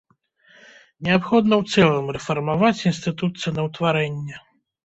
Неабходна ў цэлым рэфармаваць інстытут цэнаўтварэння.